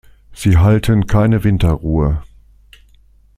Sie halten keine Winterruhe.